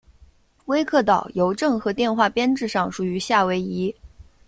威克岛邮政和电话编制上属于夏威夷。